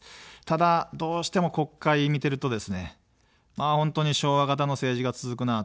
ただ、どうしても国会見てるとですね、本当に昭和型の政治が続くなと。